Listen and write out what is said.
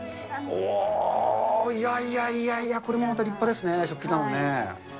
うわー、いやいやいや、これもまた立派ですね、食器棚ね。